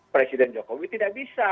presiden jokowi tidak bisa